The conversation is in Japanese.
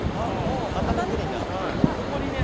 そこにね